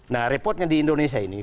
nah repotnya di indonesia ini